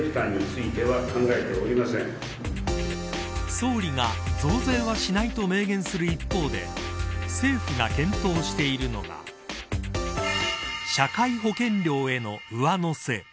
総理が、増税をしないと明言する一方で政府が検討しているのが社会保険料への上乗せ。